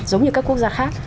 giống như các quốc gia khác